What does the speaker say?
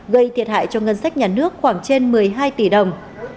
gây thiệt hại cho ngân sách nhà nước khoảng trên một mươi hai tỷ đồng